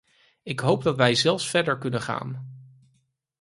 Ik hoop dat wij zelfs verder kunnen gaan.